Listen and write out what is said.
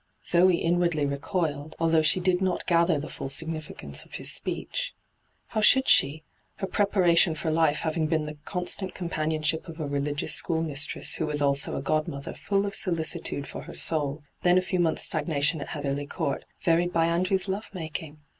Zoe inwardly recoOed, although she did not gather the full significance of his speech. How should she, her preparation for life having been the constant companionship of a religious schoolmistress who was also, a godmother full of solicitude for her soul, then a few months' stagnation at Heatherly Court, varied by Andrew's love making?